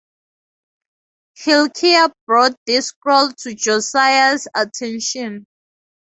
Hilkiah brought this scroll to Josiah's attention.